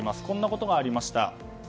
こんなことがありました。